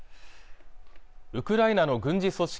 ウクライナの軍事組織